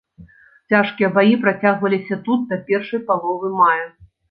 Цяжкія баі працягваліся тут да першай паловы мая.